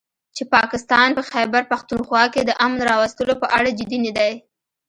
چې پاکستان په خيبرپښتونخوا کې د امن راوستلو په اړه جدي نه دی